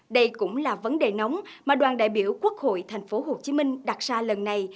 đây cũng là vấn đề nóng mà đoàn đại biểu quốc hội tp hcm đặt sáng